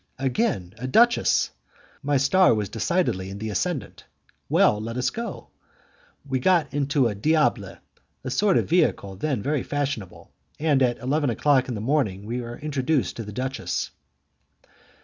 Again a duchess! My star is decidedly in the ascendant. Well, let us go! We got into a 'diable', a sort of vehicle then very fashionable, and at eleven o'clock in the morning we were introduced to the duchess.